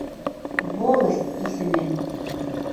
Волость исеме.